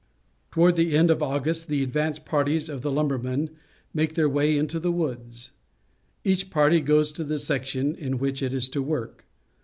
Toward the end of August the advance parties of the lumbermen make their way into the woods. Each party goes to the section in which it is to work.